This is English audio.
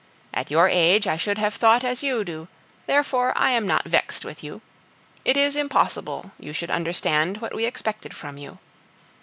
At your age I should have thought as you do, therefore I am not vexed with you; it is impossible you should understand what we expected from you.